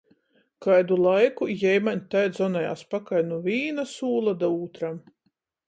Kaidu laiku jei maņ tai dzonojās pakaļ nu vīna sūla da ūtram.